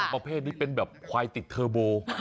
ประเภทนี้เป็นแบบควายติดเทอร์โบ